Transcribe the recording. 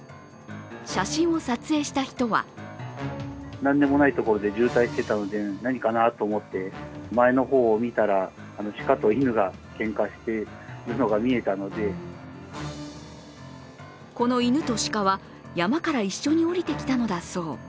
写真を撮影した人はこの犬と鹿は山から一緒に下りてきたのだそう。